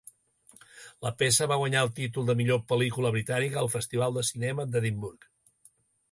La peça va guanyar el títol de millor pel·lícula britànica al Festival de Cinema d'Edimburg.